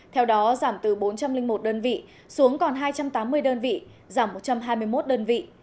theo đó giảm từ bốn trăm linh một đơn vị xuống còn hai trăm tám mươi đơn vị giảm một trăm hai mươi một đơn vị